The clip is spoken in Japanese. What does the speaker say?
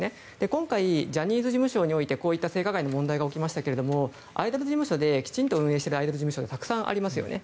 今回、ジャニーズ事務所においてこういった性加害の問題が起きましたけどきちんと運営しているアイドル事務所ってたくさんありますよね。